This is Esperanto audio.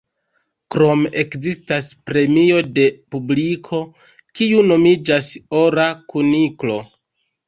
Krome ekzistas premio de publiko, kiu nomiĝas Ora Kuniklo.